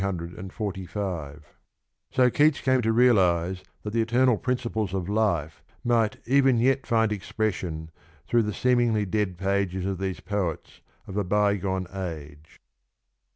345) so Keats came to realise that the eternal principles of life might even yet find expression through the seemingly dead pages of these poets of a by gone age.